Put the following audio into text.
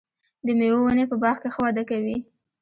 د مېوو ونې په باغ کې ښه وده کوي.